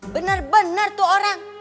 bener bener tuh orang